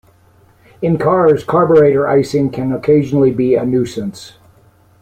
In cars, carburetor icing can occasionally be a nuisance.